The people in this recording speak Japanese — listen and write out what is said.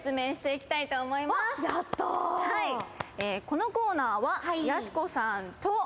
「このコーナーはやす子さんと」